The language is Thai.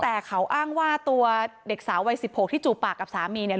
แต่เขาอ้างว่าตัวเด็กสาววัย๑๖ที่จูบปากกับสามีเนี่ย